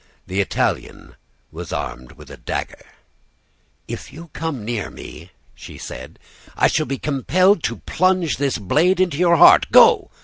The Italian was armed with a dagger. "'If you come hear me,' she said, 'I shall be compelled to plunge this blade into your heart. Go!